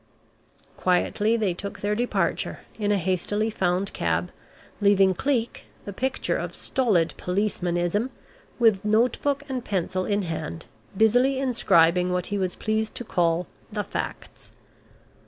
Quietly they took their departure, in a hastily found cab, leaving Cleek, the picture of stolid policemanism, with notebook and pencil in hand, busily inscribing what he was pleased to call "the facts."